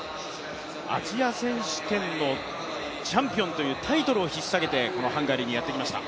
アジア選手権のチャンピオンというタイトルをひっさげてこのハンガリーにやってきました。